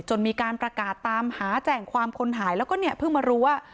มีการประกาศตามหาแจ่งความคนหายแล้วก็เนี่ยเพิ่งมารู้ว่า